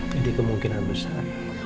jadi kemungkinan besar